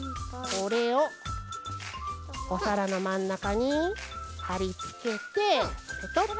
これをおさらのまんなかにはりつけてペトッと。